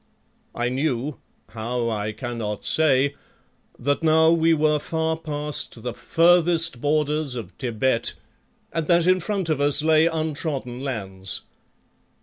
I knew, how I cannot say, that now we were far past the furthest borders of Thibet and that in front of us lay untrodden lands.